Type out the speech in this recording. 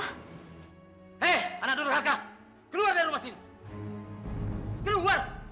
hei anak dorong halka keluar dari rumah sini keluar